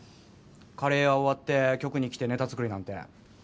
カレー屋終わって局に来てネタ作りなんて。